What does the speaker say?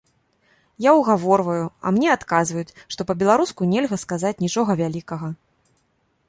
Я ўгаворваю, а мне адказваюць, што па-беларуску нельга сказаць нічога вялікага!